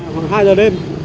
khoảng hai giờ đêm